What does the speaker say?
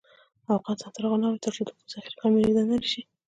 افغانستان تر هغو نه ابادیږي، ترڅو د اوبو ذخیره کول ملي دنده نشي.